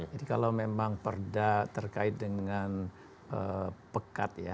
kalau memang perda terkait dengan pekat ya